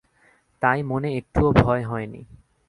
তাই মনে একটুও ভয় হয় নি।